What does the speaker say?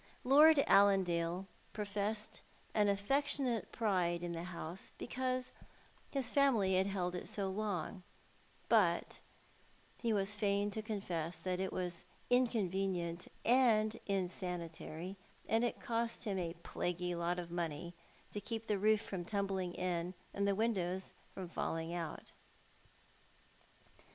Lord Allandale profes sed an atfoctionate pride in the house because his family had held it so long ; but he was fain to confess that it was inconvenient and insanitary, and that it cost hina a " plaguy lot of money " to keep the roof from tumbling in and the windows from falling out.